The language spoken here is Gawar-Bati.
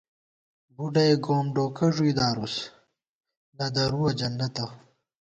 بُڈَئےگوم ڈوکہ ݫُوئی دارُوس، نہ دَرُوَہ جنَّتہ